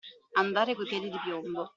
Andare coi piedi di piombo.